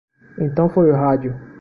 Então foi o rádio.